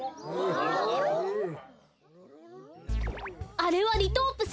あれはリトープス！